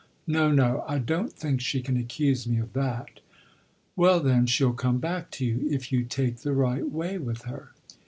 "No, no; I don't think she can accuse me of that." "Well then she'll come back to you if you take the right way with her."